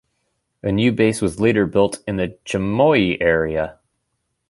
A new base was later built in the Chimoio area.